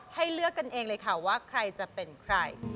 ให้เลือกกันเองเลยค่ะว่าใครจะเป็นใคร